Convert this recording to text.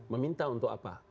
meminta untuk apa